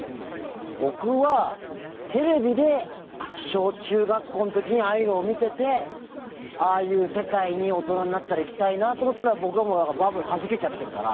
僕はテレビで小中学校の時にああいうのを見ててああいう世界に大人になったら行きたいなと思ってたら僕はもうバブルはじけちゃってるから。